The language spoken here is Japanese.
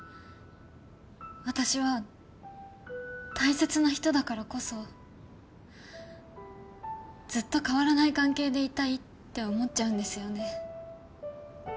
私は大切な人だからこそずっと変わらない関係でいたいって思っちゃうんですよね。